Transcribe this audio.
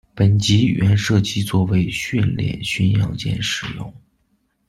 本级原设计作为训练巡洋舰使用。